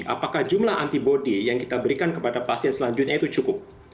apakah jumlah antibody yang kita berikan kepada pasien selanjutnya itu cukup